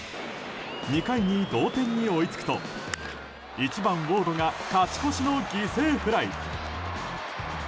２回に同点に追いつくと１番、ウォードが勝ち越しの犠牲フライ。